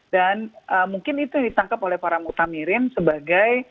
dan mungkin itu ditangkap oleh para mutamirim sebagai